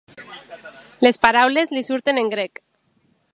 Les paraules li surten en grec.